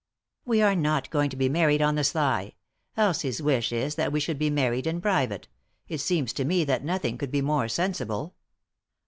"We are not going to be married on the sly. Elsie's wish is that we should be married in private it seems to me that nothing could be more sensible.''